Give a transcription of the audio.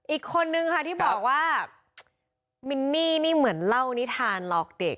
อีกคนนึงค่ะที่บอกว่ามินนี่นี่เหมือนเล่านิทานหลอกเด็ก